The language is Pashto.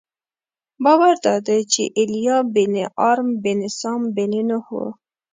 باور دادی چې ایلیا بن ارم بن سام بن نوح و.